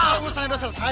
urusan udah selesai